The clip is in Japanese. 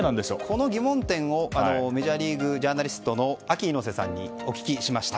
この疑問点をメジャーリーグジャーナリストのＡＫＩ猪瀬さんにお聞きしました。